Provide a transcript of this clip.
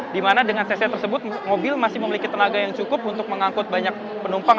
di mana dengan cc tersebut mobil masih memiliki tenaga yang cukup untuk mengangkut banyak penumpang